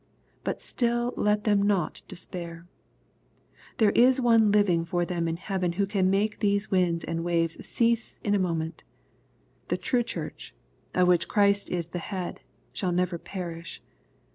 But still let them not despair. There is One living for them in heaven who can make these winds and waves to cease in a moment. The true Church, of which Christ is the Head, shall never perish.